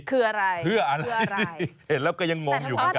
คืออะไรเพื่ออะไรเพื่ออะไรเห็นแล้วก็ยังงงอยู่เหมือนกัน